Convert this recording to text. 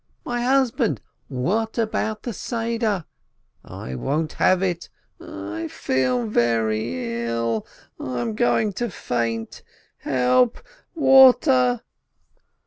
My husband, what about the Seder ? I won't have it !— I feel very ill — I am going to faint !— Help !— Water